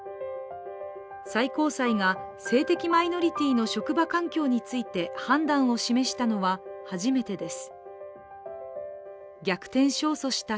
最高裁が性的マイノリティの職場環境について判断を示したのは、初めてです。